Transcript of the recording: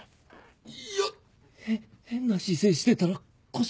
いや変な姿勢してたら腰が。